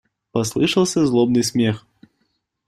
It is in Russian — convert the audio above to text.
Послышался злобный смех.